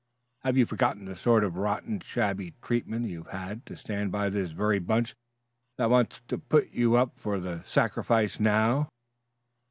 Have you forgotten the sort of rotten, shabby treatment you've had to stand by this very bunch that wants to put you up for sacrifice now?"